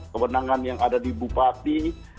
kewenangan yang ada di bupati